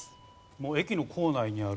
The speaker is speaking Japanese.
もう駅の構内にある。